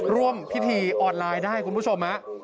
ร่วมพิธีออนไลน์ได้คุณผู้ชมฮะ